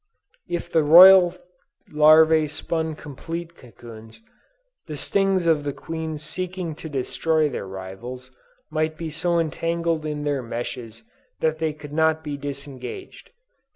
"If the royal larvæ spun complete cocoons, the stings of the queens seeking to destroy their rivals might be so entangled in their meshes that they could not be disengaged.